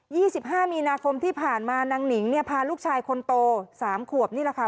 สิบห้ามีนาคมที่ผ่านมานางหนิงเนี่ยพาลูกชายคนโตสามขวบนี่แหละค่ะ